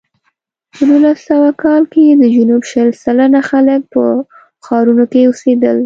په نولس سوه کال کې د جنوب شل سلنه خلک په ښارونو کې اوسېدل.